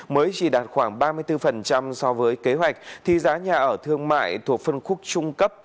hai nghìn hai mươi mới chỉ đạt khoảng ba mươi bốn so với kế hoạch thì giá nhà ở thương mại thuộc phân khúc trung cấp